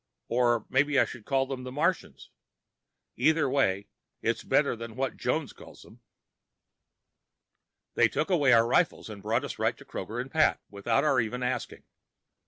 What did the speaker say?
Or maybe I should call them the Martians. Either way, it's better than what Jones calls them. They took away our rifles and brought us right to Kroger and Pat, without our even asking.